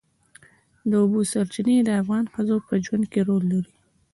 د اوبو سرچینې د افغان ښځو په ژوند کې رول لري.